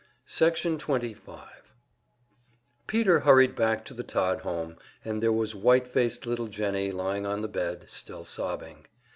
Section 25 Peter hurried back to the Todd home, and there was white faced little Jennie lying on the bed, still sobbing.